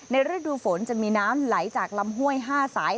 ฤดูฝนจะมีน้ำไหลจากลำห้วย๕สาย